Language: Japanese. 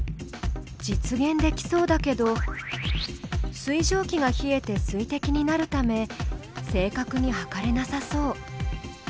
実現できそうだけど水蒸気が冷えてすいてきになるため正確に測れなさそう。